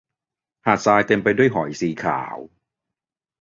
หาดทรายเต็มไปด้วยหอยสีขาว